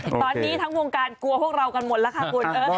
ตอนนี้ทางวงการกลัวพวกเรากันหมดละครับคุณ